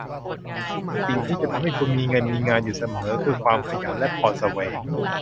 สิ่งที่จะทำให้คุณมีเงินมีงานอยู่เสมอคือความขยันและพรแสวง